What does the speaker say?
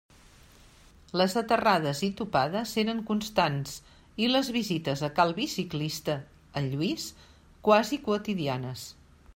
Les aterrades i topades eren constants i les visites a cal biciclista, en Lluís, quasi quotidianes.